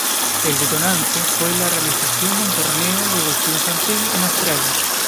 El detonante fue la realización de un torneo de boxeo infantil en Australia.